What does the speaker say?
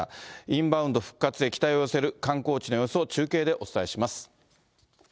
インバウンド復活へ、期待を寄せる観光地の様子を、中継でお伝えします。